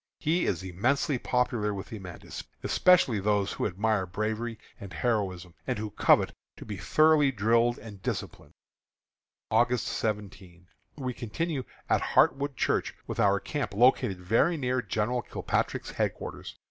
He is immensely popular with the men, especially with those who admire bravery and heroism, and who covet to be thoroughly drilled and disciplined. August 17. We continue at Hartwood Church, with our camp located very near General Kilpatrick's headquarters.